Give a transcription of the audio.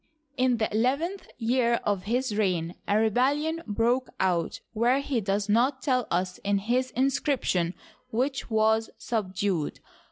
In the eleventh year of his reign a rebellion broke out, where he does not tell us in his inscription, which was subdued.